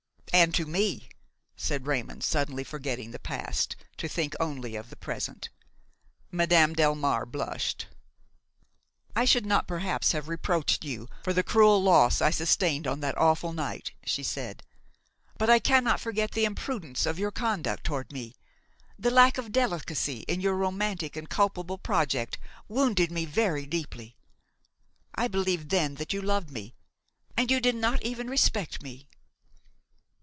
"And to me," said Raymon, suddenly forgetting the past to think only of the present. Madame Delmare blushed. "I should not perhaps have reproached you for the cruel loss I sustained on that awful night," she said; "but I cannot forget the imprudence of your conduct toward me. The lack of delicacy in your romantic and culpable project wounded me very deeply. I believed then that you loved me!–and you did not even respect me!"